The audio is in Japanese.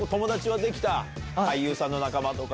俳優さんの仲間とか。